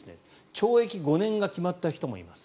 懲役５年が決まった人もいます。